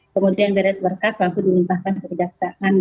kemudian dari seberkas langsung diminta ke perdagangan